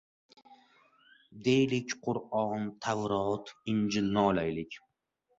Deylik, Qur’on, Tavrot, Injilni olaylik.